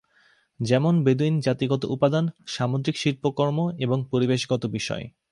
যেমন বেদুইন জাতিগত উপাদান, সামুদ্রিক শিল্পকর্ম এবং পরিবেশগত বিষয়।